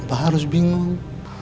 kenapa harus bingung